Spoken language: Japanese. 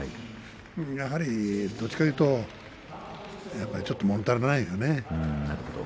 やはりどちらかというともの足りないよね。